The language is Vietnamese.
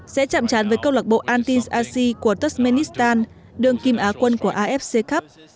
sẽ chạm trán với cầu lạc bộ antijazi của turkmenistan đường kim á quân của afc cup